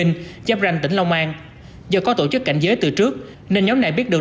chấp ranh tỉnh long an do có tổ chức cảnh giới từ trước nên nhóm này biết được